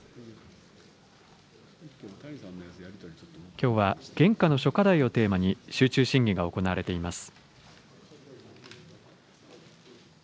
きょうは現下の諸課題をテーマに集中審議が行われています。